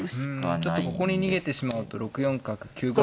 ちょっとここに逃げてしまうと６四角９五。